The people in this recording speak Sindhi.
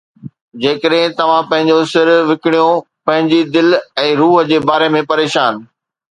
جيڪڏھن توھان پنھنجو سر وڪڻيو، پنھنجي دل ۽ روح جي باري ۾ پريشان